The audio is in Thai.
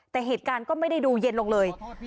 แต่เหตุการณ์ก็ไม่ได้ดูเย็นลงเลย